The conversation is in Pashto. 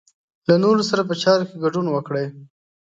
له نورو سره په چارو کې ګډون وکړئ.